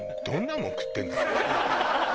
どんなもん食ってんだ。